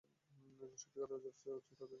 একজন সত্যিকারের রাজার উচিত তাদের জয় করে নেয়া।